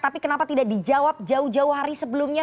tapi kenapa tidak dijawab jauh jauh hari sebelumnya